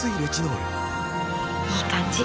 いい感じ！